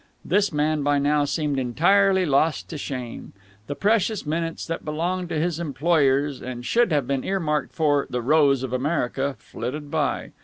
This man by now seemed entirely lost to shame. The precious minutes that belonged to his employers and should have been earmarked for "The Rose of America" flitted by.